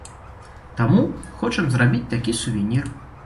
Таму хочам зрабіць такі сувенір.